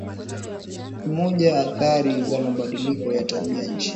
Ni moja ya athari za mabadiliko ya tabia nchi